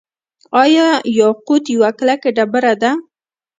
آیا یاقوت یوه کلکه ډبره ده؟